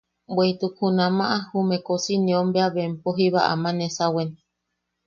Bweʼituk junamaʼa jume kosineom bea bempo jiba ama nesawen.